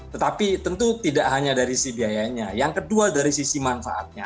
tetapi tentu tidak hanya dari sisi biayanya yang kedua dari sisi manfaatnya